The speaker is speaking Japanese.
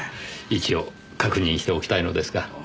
一応確認しておきたいのですが。